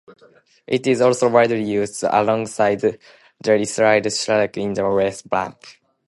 It is also widely used alongside the Israeli shekel in the West Bank.